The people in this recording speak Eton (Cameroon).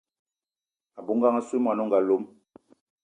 A bou ngang assou y mwani o nga lom.